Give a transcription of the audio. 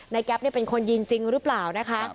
แก๊ปเป็นคนยิงจริงหรือเปล่านะคะ